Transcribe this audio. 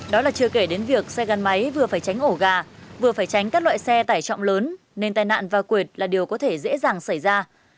đó là chưa kể đến việc xe gắn máy vừa phải tránh ổ gà vừa phải tránh các loại xe tải trọng lớn nên tai nạn và quyệt là điều có thể dễ dàng xảy ra